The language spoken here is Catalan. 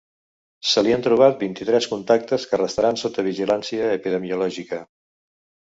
Se li han trobat vint-i-tres contactes que restaran sota vigilància epidemiològica.